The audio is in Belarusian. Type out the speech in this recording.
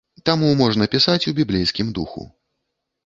Таму можна пісаць у біблейскім духу.